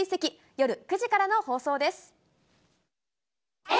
夜９時からの放送です。